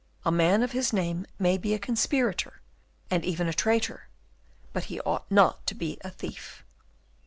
A man of his name may be a conspirator, and even a traitor, but he ought not to be a thief."